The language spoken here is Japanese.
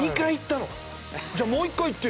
じゃあもう１回言ってよ。